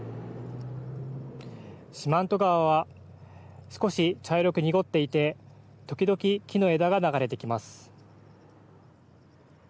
四万十川は少し茶色く濁っていて時々、木の枝が流れてきます。